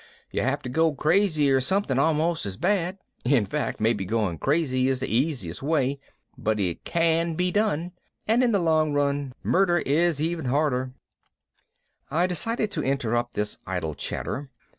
"You have to go crazy or something almost as bad in fact, maybe going crazy is the easiest way. But it can be done and, in the long run, murder is even harder." I decided to interrupt this idle chatter.